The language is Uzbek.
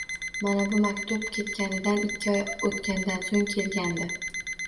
Mana bu maktub ketganidan ikki oy o'tgandan so'ng kelgandi: